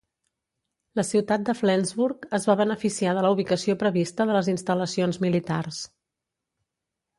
La ciutat de Flensburg es va beneficiar de la ubicació prevista de les instal·lacions militars.